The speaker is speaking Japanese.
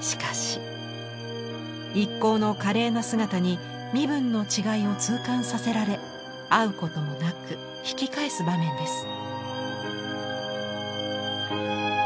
しかし一行の華麗な姿に身分の違いを痛感させられ会うこともなく引き返す場面です。